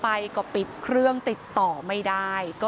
พูดใหญ่บ้านเคยขู่ถึงขั้นจะฆ่าให้ตายด้วยค่ะ